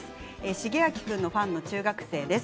シゲアキ君のファンの中学生です。